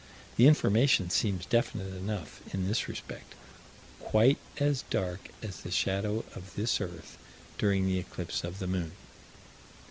The information seems definite enough in this respect "quite as dark as the shadow of this earth during the eclipse of the moon."